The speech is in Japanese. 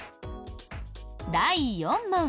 第４問。